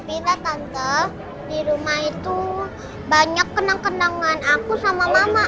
tidak tante di rumah itu banyak kenang kenangan aku sama mama